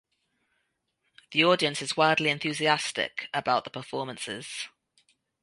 The audience is wildly enthusiastic about the performances.